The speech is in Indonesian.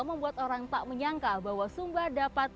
membuat orang tak menyangka bahwa sumba dapat